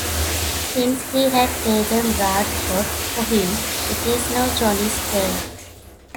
Since he had taken Brad's shot for him, it is now Johnny's turn.